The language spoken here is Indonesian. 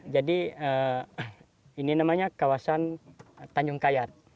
jadi ini namanya kawasan tanjung kayat